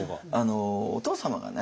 お父様がね